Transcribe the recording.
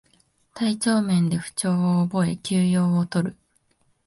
体調面で不調を覚え休養をとる